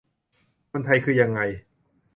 คนไทยคือยังไง